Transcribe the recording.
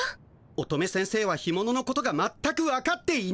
乙女先生は干もののことがまったくわかっていない！